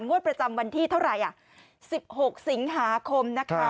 งวดประจำวันที่เท่าไหร่๑๖สิงหาคมนะคะ